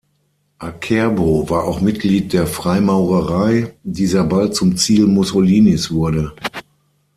Acerbo war auch Mitglied der Freimaurerei, die sehr bald zum Ziel Mussolinis wurde.